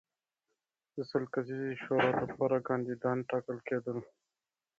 د سل کسیزې شورا لپاره کاندیدان ټاکل کېدل.